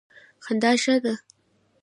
خندا ښه ده.